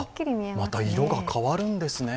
また色が変わるんですね。